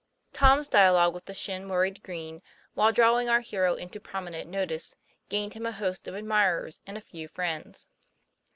Tom's dialogue with the shin worried Green, while drawing our hero into prominent notice, gained him a host of admirers and a few friends.